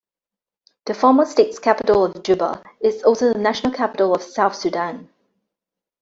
The former state's capital of Juba is also the national capital of South Sudan.